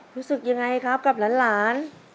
รู้สึกยังไงครับกับหลาน